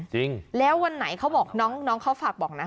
จริงแล้ววันไหนเขาบอกน้องเขาฝากบอกนะ